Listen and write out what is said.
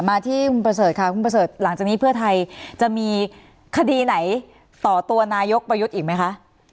มาที่คุณประเสริฐค่ะคุณประเสริฐหลังจากนี้เพื่อไทยจะมีคดีไหนต่อตัวนายกประยุทธ์อีกไหมคะ